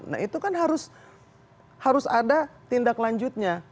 nah itu kan harus ada tindak lanjutnya